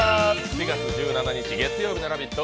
４月１７日、月曜日の「ラヴィット！」